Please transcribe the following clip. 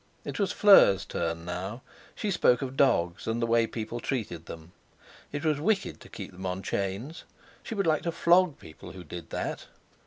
It was Fleur's turn now. She spoke of dogs, and the way people treated them. It was wicked to keep them on chains! She would like to flog people who did that.